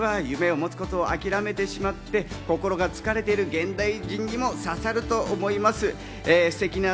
今回のミュージカルは夢を持つことを諦めてしまって、心が疲れている現代人にも刺さると思います。